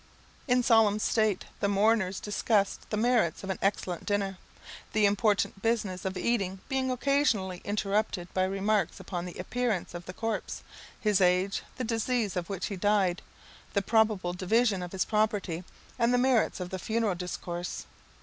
In solemn state the mourners discussed the merits of an excellent dinner, the important business of eating being occasionally interrupted by remarks upon the appearance of the corpse, his age, the disease of which he died, the probable division of his property, and the merits of the funeral discourse.